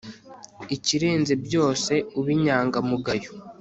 ikirenze byose, ube inyangamugayo